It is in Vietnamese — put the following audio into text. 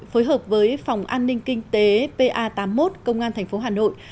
phối hợp với phòng an ninh kinh tế pa tám mươi một công an tp hà nội